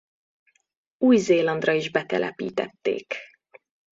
Új-Zélandra is betelepítették.